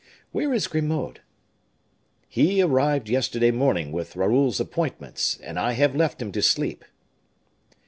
"Where is Grimaud?" "He arrived yesterday morning with Raoul's appointments; and I have left him to sleep."